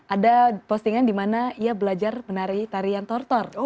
ada postingan di mana ia belajar menari tarian tortor